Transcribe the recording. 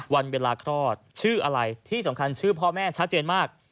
วันเวลาคลอดชื่ออะไรที่สำคัญชื่อพ่อแม่ชัดเจนมาก